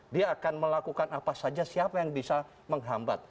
dia akan melakukan apa saja siapa yang bisa menghambat